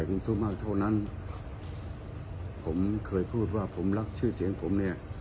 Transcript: เราก็จะต้องทุกข์มากเท่านั้นผมเคยพูดว่าผมรักชื่อเสียงผมเนี่ย